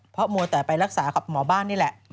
เพราะมัวแต่ไปรักษากับหมอบ้านนี่แหละ